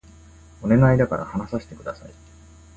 お願いだから話させて下さい